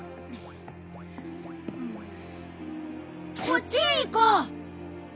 こっちへ行こう。